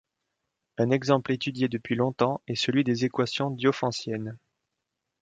Un exemple étudié depuis longtemps est celui des équations diophantiennes.